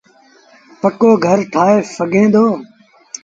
پڪو گھر ٺآهي سگھي دو۔